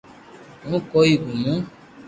ھون ڪوئي گومو